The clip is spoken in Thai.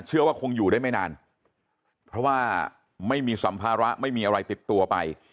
เชื่อว่าคงอยู่ได้ไม่นานเพราะว่าไม่มีสัมภาระไม่มีอะไรติดตัวไป